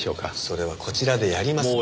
それはこちらでやります。